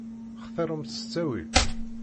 Xtiṛemt s ttawil.